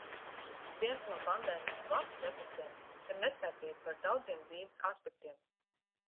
Viens no pandēmijas "blakusefektiem" ir neskaidrība par daudziem dzīves aspektiem.